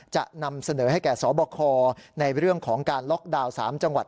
จะนำเสนอให้แก่สบคในเรื่องของการล็อกดาวน์๓จังหวัด